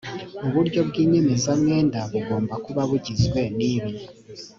uburyo bw inyemezamwenda bugomba kuba bugizwe n ibi